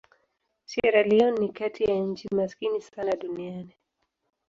Sierra Leone ni kati ya nchi maskini sana duniani.